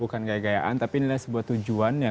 bukan gaya gayaan tapi inilah sebuah tujuan